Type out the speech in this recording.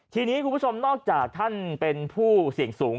ทีนี้คุณผู้ชมนอกจากท่านเป็นผู้เสี่ยงสูง